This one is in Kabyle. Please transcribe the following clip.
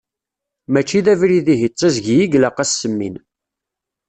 Mačči d abrid ihi d tiẓgi i ilaq ad as-semmin.